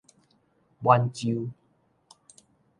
滿洲